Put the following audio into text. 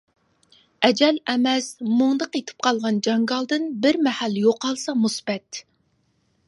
ئەجەل ئەمەس مۇڭدا قېتىپ قالغان جاڭگالدىن بىر مەھەل يوقالسا مۇسىبەت!